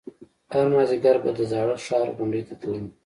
هر مازديگر به د زاړه ښار غونډۍ ته تلم.